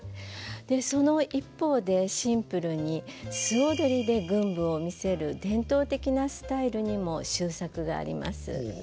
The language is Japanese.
その一方でシンプルに素踊りで群舞を見せる伝統的なスタイルにも秀作があります。